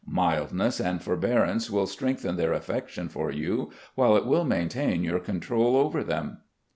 Mildness and for bearance win strengthen their affection for you, while it will maintain your control over them."